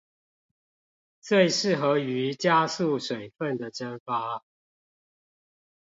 最適合於加速水分的蒸發